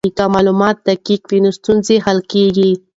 که معلومات دقیق وي نو ستونزې حل کیږي.